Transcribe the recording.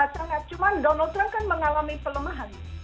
sangat cuma donald trump kan mengalami pelemahan